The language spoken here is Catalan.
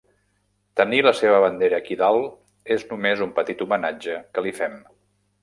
Tenir la seva bandera aquí dalt és només un petit homenatge que li fem.